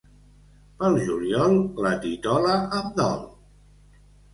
Pel juliol, la titola em dol.